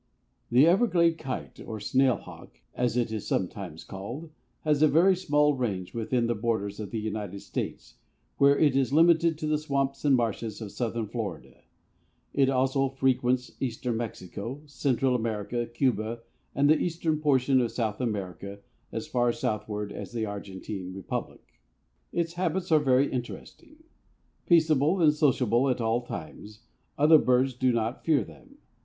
The Everglade Kite or Snail Hawk, as it is sometimes called, has a very small range within the borders of the United States, where it is limited to the swamps and marshes of Southern Florida. It also frequents Eastern Mexico, Central America, Cuba and the eastern portion of South America as far southward as the Argentine Republic. Its habits are very interesting. Peaceable and sociable at all times, other birds do not fear them.